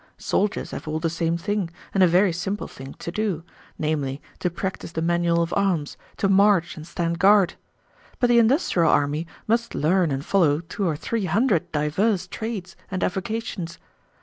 Soldiers have all the same thing, and a very simple thing, to do, namely, to practice the manual of arms, to march and stand guard. But the industrial army must learn and follow two or three hundred diverse trades and avocations.